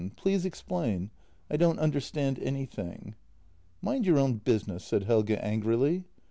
Please explain. I don't understand anything." " Mind your own business," said Helge angrily.